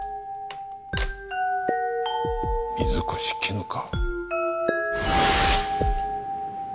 水越絹香。